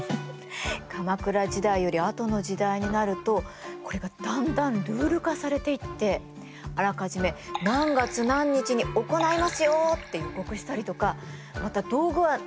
鎌倉時代よりあとの時代になるとこれがだんだんルール化されていってあらかじめ何月何日に行いますよって予告したりとかまた道具は何を使いますよって通告したりしたんだって。